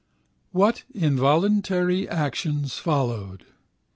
What involuntary actions followed?